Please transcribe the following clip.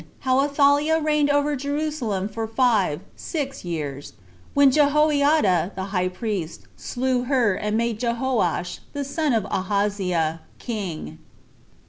How Athaliah Reigned Over Jerusalem For Five [Six] Years When Jehoiada The High Priest Slew Her And Made Jehoash, The Son Of Ahaziah, King.